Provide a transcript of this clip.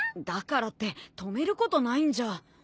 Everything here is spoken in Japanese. だからって止めることないんじゃ。